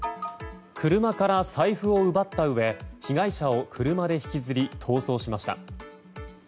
車から財布を奪ったうえ被害者を車で引きずり逃走しました。